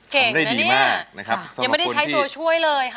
เก่งนะเนี่ยทำได้ดีมากนะครับยังไม่ได้ใช้ตัวช่วยเลยค่ะ